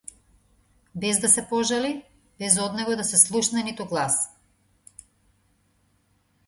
Без да се пожали, без од него да се слушне ниту глас.